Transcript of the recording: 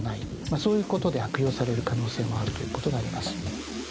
そういうことで悪用される可能性もあるということがあります。